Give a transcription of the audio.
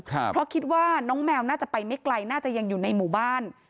เพราะคิดว่าน้องแมวน่าจะไปไม่ไกลน่าจะยังอยู่ในหมู่บ้าน